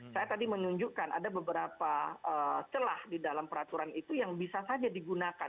saya tadi menunjukkan ada beberapa celah di dalam peraturan itu yang bisa saja digunakan